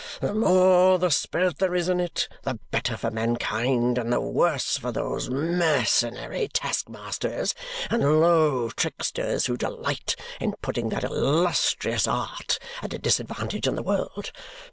The more spirit there is in it, the better for mankind and the worse for those mercenary task masters and low tricksters who delight in putting that illustrious art at a disadvantage in the world.